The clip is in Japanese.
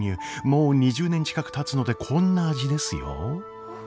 もう２０年近くたつのでこんな味ですよ。